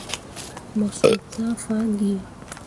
Mo sop zah fah gǝǝ.